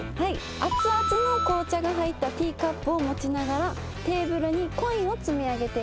熱々の紅茶が入ったティーカップを持ちながらテーブルにコインを積み上げていきます。